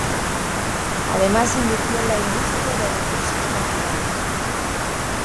Además invirtió en la industria de recursos naturales.